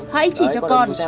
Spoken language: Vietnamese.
hãy chỉ cho con